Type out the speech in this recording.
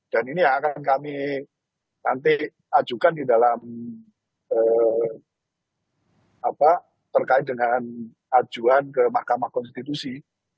dan ini yang akan kami nanti ajukan di dalam terkait dengan ajuan ke mahkamah konstitusi